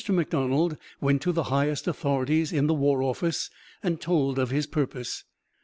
McDonald went to the highest authorities in the War Office and told of his purpose.